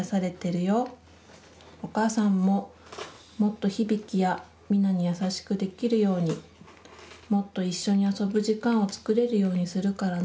お母さんももっと日々貴やみなに優しくできるようにもっと一緒に遊ぶ時間をつくれるようにするからね。